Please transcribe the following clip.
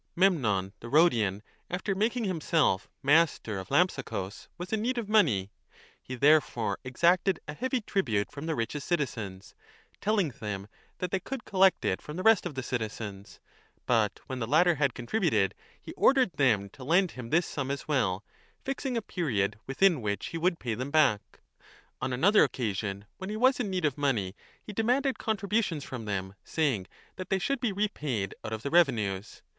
Memnon, the Rhodian, after making himself master i35i b of Lampsacus, was in need of money. He therefore exacted a heavy tribute from the richest citizens, telling them that they could collect it from the rest of the citizens. But when the latter had contributed, he ordered .them to lend him 5 this sum as well, fixing a period l within which he would pay them back. On another occasion when he was in need of money, he demanded contributions from them, saying that they should be repaid out of the revenues.